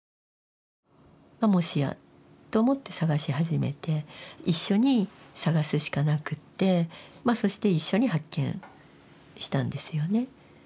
もしやと思って捜し始めて一緒に捜すしかなくってまあそして一緒に発見したんですよね。